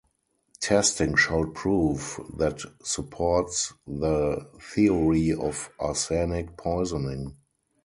Testing showed proof that supports the theory of arsenic poisoning.